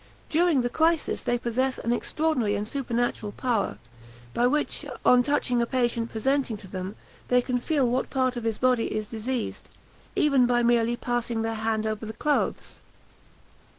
During the crisis, they possess an extraordinary and supernatural power, by which, on touching a patient presented to them, they can feel what part of his body is diseased, even by merely passing their hand over the clothes."